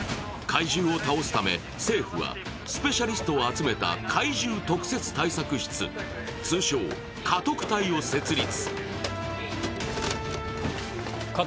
禍威獣を倒すため、政府はスペシャリストを集めた禍威獣特設対策室、通称・禍特対を設立。